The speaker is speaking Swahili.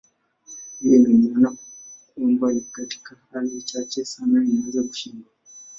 Hiyo ina maana kwamba ni katika hali chache sana inaweza kushindwa.